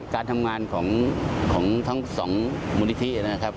การทำงานของทั้งสองมูลนิธินะครับ